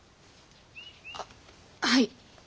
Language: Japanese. あっはい。